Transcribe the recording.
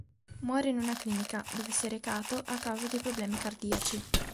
Muore in una clinica dove si è recato a causa di problemi cardiaci.